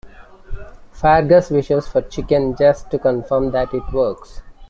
Fargus wishes for a chicken just to confirm that it works.